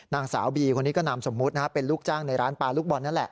นางสาวบีคนนี้ก็นำสมมุติเป็นลูกจ้างในร้านปลาลูกบอท